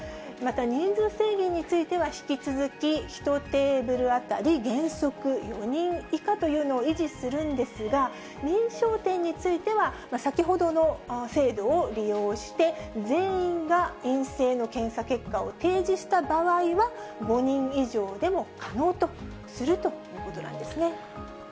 また人数制限については、引き続き１テーブル当たり原則４人以下というのを維持するんですが、認証店については、先ほどの制度を利用して、全員が陰性の検査結果を提示した場合は、５人以上でも可能とするということなんですね。